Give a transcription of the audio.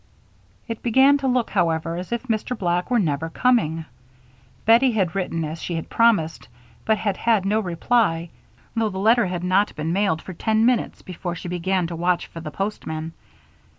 It began to look, however, as if Mr. Black were never coming. Bettie had written as she had promised but had had no reply, though the letter had not been mailed for ten minutes before she began to watch for the postman.